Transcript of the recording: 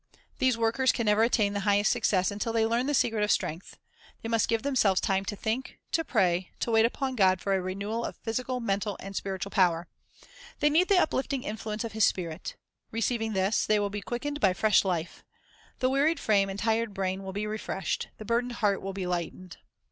These workers can never attain the highest success until they learn the secret of strength. They must 1 I :e; 33: j" 32. Ts. :• Faith and Prayei give themselves time to think, to pray, to wait upon God for a renewal of physical, mental, and spiritual power. They need the uplifting influence of His Spirit. Receiving this, they will be quickened by fresh life. The wearied frame and tired brain will be refreshed, the burdened heart will be lightened.